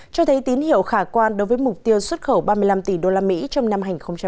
cho thấy tín hiệu khả quan đối với mục tiêu xuất khẩu ba mươi năm tỷ usd trong năm hai nghìn hai mươi